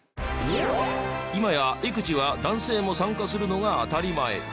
今や育児は男性も参加するのが当たり前。